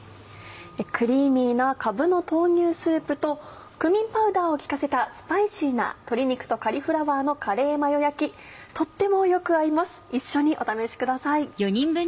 クリーミーな「かぶの豆乳スープ」とクミンパウダーを効かせたスパイシーな鶏肉とカリフラワーのカレーマヨ焼きとってもよく合います一緒にお試しください。